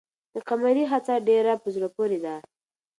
د قمرۍ هڅه ډېره په زړه پورې ده.